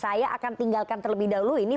saya akan tinggalkan terlebih dahulu ini